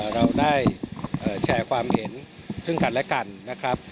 เราได้แชร์ความเห็นซึ่งกันและกันนะครับ